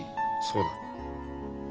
そうだ。